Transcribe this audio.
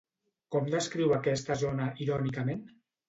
Com descriu aquesta zona, irònicament?